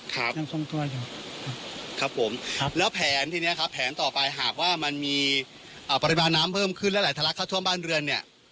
ครับผมแล้วแผนที่นี้ครับแผนต่อไปหากว่ามันมีปริมาณน้ำเพิ่มขึ้นและหลายธรรมค่าทั่วบ้านเรือนเนี่ย